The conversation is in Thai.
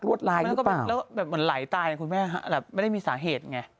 รวดลายหรือเปล่าแบบเหมือนไหลตายครับคุณแม่ไม่ได้มีสาเหตุไง